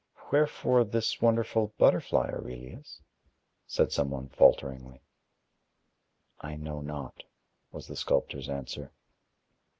"Wherefore this wonderful butterfly, Aurelius?" said somebody falteringly. "I know not" was the sculptor's answer.